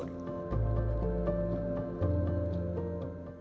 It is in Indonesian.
proses terakhir barulah kain dicuci dan dijebur